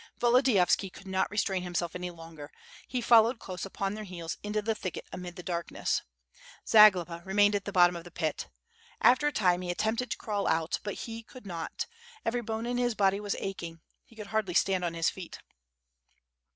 Volodiyovski could not restrain himself any longer; he followed close upon their heels into the thicket amid the darkness. Zagloba remained at the bottom of the pit. After a time he attempted to crawl out, but he could not; every bone in his body was aching, he could hardly stand on his feet.